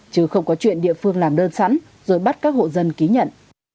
chứ không có chuyện địa phương làm đơn sẵn rồi bắt các hộ dân ký nhận